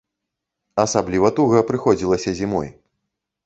Асабліва туга прыходзілася зімой.